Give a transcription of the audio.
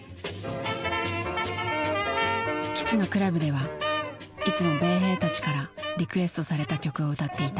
基地のクラブではいつも米兵たちからリクエストされた曲を歌っていた。